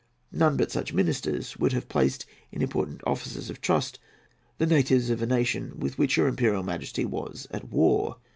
None but such ministers would have placed in important offices of trust the natives of a nation with which your Imperial Majesty was at war.